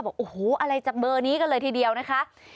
บอกโอ้โหอะไรจากเบอร์นี้กันเลยทีเดียวนะคะ